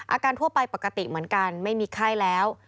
ทั่วไปปกติเหมือนกันไม่มีไข้แล้ว